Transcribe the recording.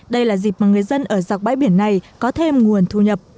đây là dịp mà người dân ở dọc bãi biển này có thêm nguồn thu nhập